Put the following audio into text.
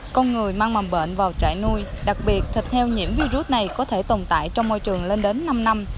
con người mang mầm bệnh vào trại nuôi đặc biệt thịt heo nhiễm virus này có thể tồn tại trong môi trường lên đến năm năm